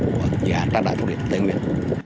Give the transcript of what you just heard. của dự án trang đại của tây nguyên